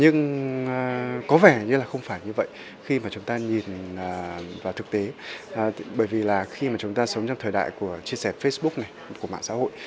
nhưng có vẻ như là không phải như vậy khi mà chúng ta nhìn vào thực tế bởi vì là khi mà chúng ta sống trong thời đại của chia sẻ facebook này của mạng xã hội